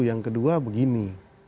yang kedua begini